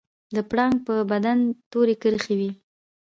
د پړانګ په بدن تورې کرښې وي